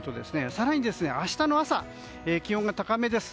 更に明日の朝、気温が高めです。